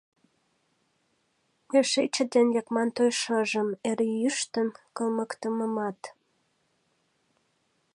Эше чытен лекман той шыжым, Эр йӱштын кылмыктымымат.